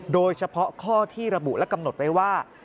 โดยเฉพาะข้อที่ระบุและกำหนดไว้ว่า